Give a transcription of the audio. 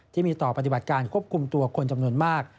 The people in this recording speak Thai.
ที่มีต่อปฏิบัติการควบคุมตัวคนจำนวนมาก